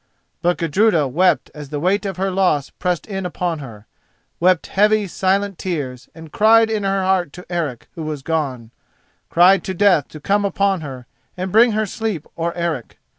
But Gudruda wept as the weight of her loss pressed in upon her—wept heavy silent tears and cried in her heart to Eric who was gone—cried to death to come upon her and bring her sleep or Eric.